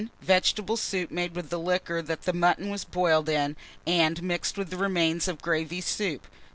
Vegetable soup made with liquor that the mutton was boiled in, and mixed with the remains of gravy soup.